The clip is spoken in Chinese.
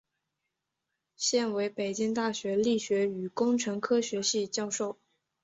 现为北京大学力学与工程科学系教授。